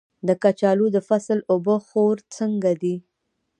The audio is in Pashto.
د کچالو د فصل اوبه خور څنګه دی؟